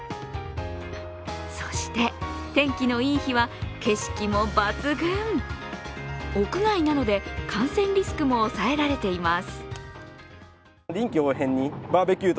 そして、天気のいい日は景色も抜群屋外なので、感染リスクも抑えられています。